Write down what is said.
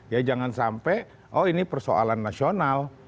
ya jangan sampai oh ini persoalan nasional